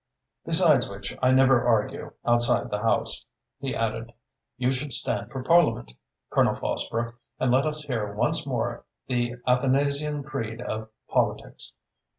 "Besides which, I never argue, outside the House," he added. "You should stand for Parliament, Colonel Fosbrook, and let us hear once more the Athanasian Creed of politics.